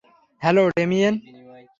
Hello, Damien!